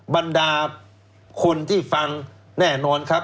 บรรดาคนที่ฟังแน่นอนครับ